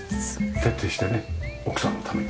徹底してね奥さんのために。